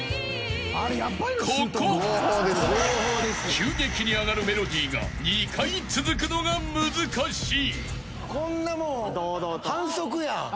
［急激に上がるメロディーが２回続くのが難しい］